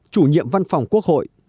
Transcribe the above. chủ nhiệm văn phòng quốc hội